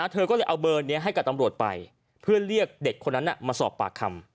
เธอก็เลยเอาเบอร์นี้ให้กับตำรวจไปเพื่อเรียกเด็กคนนั้นมาสอบปากคำ